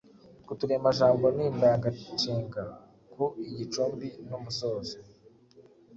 Utwo turemajambo ni indanganshinga (ku), igicumbi n’umusozo.